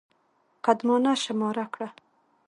قدمانه شماره کړه.